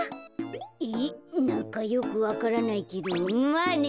えっなんかよくわからないけどまあね。